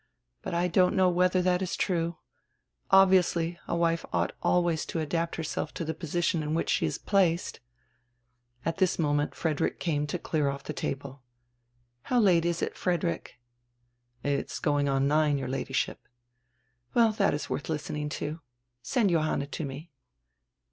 But I don't know whether that is true. Obviously a wife ought always to adapt herself to die position in which she is placed." At diis moment Frederick came to clear off die table. "How r late is it, Frederick!" "It is going on nine, your Ladyship." "Well, diat is worth listening to. Send Johanna to me."